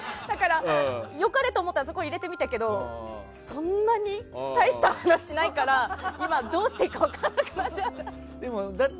良かれと思ってあそこに入れてみたけどそんなに大した話をしないから今どうしていいか分かんなくなっちゃった。